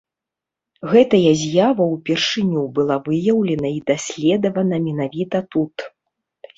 Гэтая з'ява ўпершыню была выяўлена і даследавана менавіта тут.